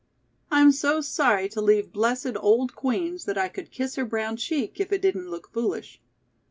I'm so sorry to leave blessed old Queen's that I could kiss her brown cheek, if it didn't look foolish."